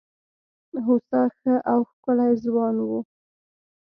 هوسا ښه او ښکلی ځوان وو.